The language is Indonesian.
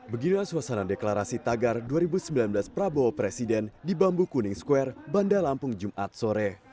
beginilah suasana deklarasi tagar dua ribu sembilan belas prabowo presiden di bambu kuning square bandar lampung jumat sore